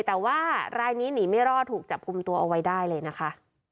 แต่ว่ารายนี้หนีไม่รอดถูกจับกลุ่มตัวเอาไว้ได้เลยนะคะ